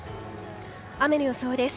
雨の予想です。